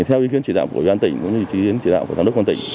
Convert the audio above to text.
theo ý kiến chỉ đạo của ubnd tỉnh cũng như ý kiến chỉ đạo của tổng đốc ubnd tỉnh